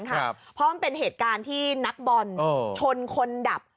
เพราะมันเป็นเหตุการณ์ที่นักบอลชนคนดับ